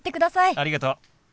ありがとう。